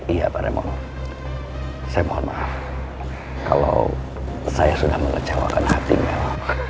iya pak raymond saya mohon maaf kalau saya sudah mengecewakan hati mel